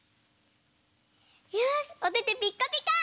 よしおててピッカピカ！